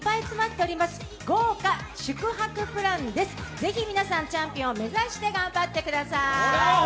ぜひ皆さん、チャンピオン目指して頑張ってください。